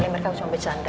mereka cuma bercanda